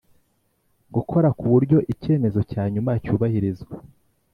gukora ku buryo icyemezo cya nyuma cyubahirizwa